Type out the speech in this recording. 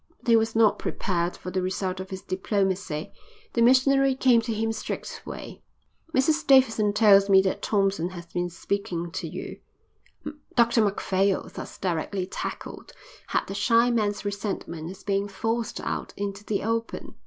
But he was not prepared for the result of his diplomacy. The missionary came to him straightway. "Mrs Davidson tells me that Thompson has been speaking to you." Dr Macphail, thus directly tackled, had the shy man's resentment at being forced out into the open.